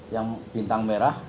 yang bintang merah